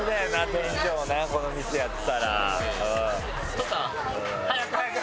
店長なこの店やってたら。